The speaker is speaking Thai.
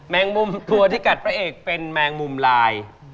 แมงมุมตัวที่กัดพระเอกเป็นแมงมุมลาย